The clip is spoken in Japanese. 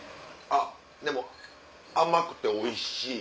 あっでも甘くておいしい。